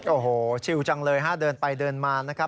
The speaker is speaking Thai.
โอ้โฮชิวจังเลยเดินไปเดินมา